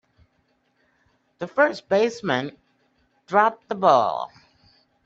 The first baseman dropped the ball.